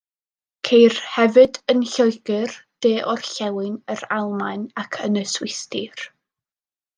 Ceir hefyd yn Lloegr, de-orllewin yr Almaen ac yn y Swistir.